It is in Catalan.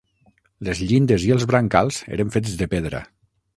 Les llindes i els brancals eren fets de pedra.